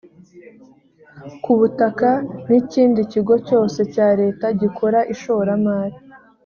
ku butaka nikindi kigo cyose cya leta gikora ishoramari.